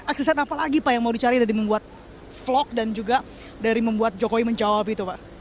akses apa lagi pak yang mau dicari dari membuat vlog dan juga dari membuat jokowi menjawab itu pak